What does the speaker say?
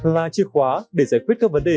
là chìa khóa để giải quyết các vấn đề